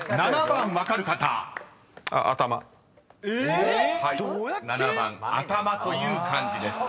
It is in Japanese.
［７番「頭」という漢字です］